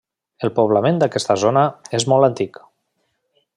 El poblament d'aquesta zona, és molt antic.